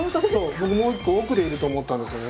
僕もう一個奥でいると思ったんですよね。